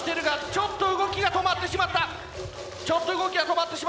ちょっと動きが止まってしまった！